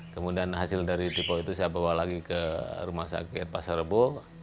kemudian hasil dari tipe itu saya bawa lagi ke rumah sakit pasar rebo